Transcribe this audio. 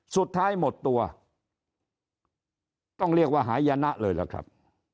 สุดท้ายหมดตัวต้องเรียกว่าหายนะเลยล่ะครับ